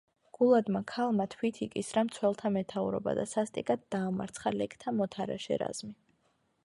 გულადმა ქალმა თვით იკისრა მცველთა მეთაურობა და სასტიკად დაამარცხა ლეკთა მოთარეშე რაზმი.